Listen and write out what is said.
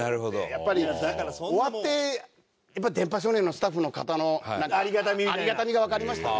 やっぱり終わって『電波少年』のスタッフの方のありがたみがわかりましたね。